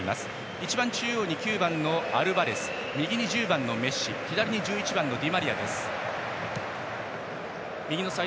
一番中央に９番のアルバレス右の１０番のメッシ左に１１番、ディマリアです。